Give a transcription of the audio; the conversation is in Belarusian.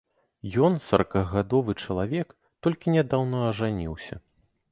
Ён, саракагадовы чалавек, толькі нядаўна ажаніўся.